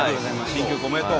新曲おめでとう。